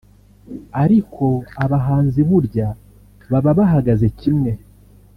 ariko abahanzi burya baba bahagaze kimwe